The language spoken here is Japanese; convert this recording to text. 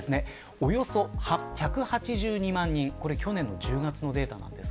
およそ１８２万人で去年１０月のデータです。